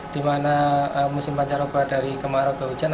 di mana musim pancar oba dari kemarau ke hujan